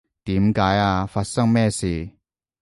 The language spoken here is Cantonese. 點解呀？發生咩事？